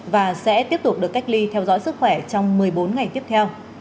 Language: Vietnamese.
và sẽ tiếp tục được cách ly theo dõi sức khỏe trong một mươi bốn ngày tiếp theo